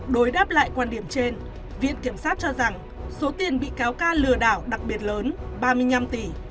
đối đáp lại quan điểm trên viện kiểm sát cho rằng số tiền bị cáo ca lừa đảo đặc biệt lớn ba mươi năm tỷ